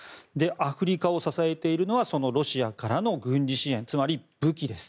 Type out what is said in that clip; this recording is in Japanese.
アフリカを支えているのはそのロシアからの軍事支援つまり武器です。